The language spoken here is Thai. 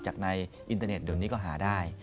จากในอินเตอร์เน็ตเดี๋ยวนี้ก็หาได้